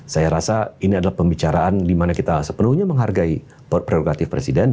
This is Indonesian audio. saya rasa ini adalah pembicaraan di mana kita sepenuhnya menghargai prerogatif presiden